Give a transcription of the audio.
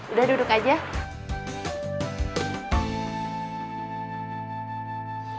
udah duduk aja